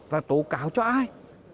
và tố cáo cho ai